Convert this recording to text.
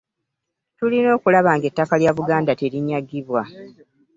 Tulina okulaba nga ettaka lya Buganda terinyagibwa.